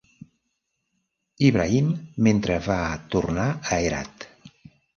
Ibrahim mentre va tornar a Herat.